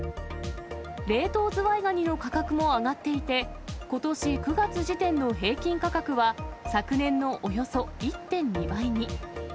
冷凍ズワイガニの価格も上がっていて、ことし９月時点の平均価格は、昨年のおよそ１．２倍に。